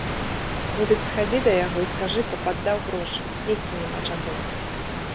Ну, дык схадзі да яго і скажы, каб аддаў грошы, есці няма чаго.